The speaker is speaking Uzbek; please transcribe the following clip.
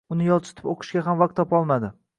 Uni yolchitib o‘qishga vaqt ham topolmadim.